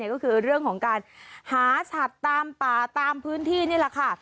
ก็คือเรื่องของการหาสัตว์ตามป่าตามพื้นที่นี่แหละค่ะ